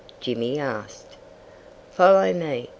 Jimmy asked. "Follow me!"